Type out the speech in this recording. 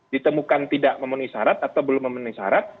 ditemukan tidak memenuhi syarat atau belum memenuhi syarat